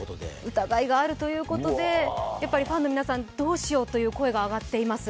疑いがあるということで、ファンの皆さん、どうしようという声が上がっています。